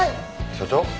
署長？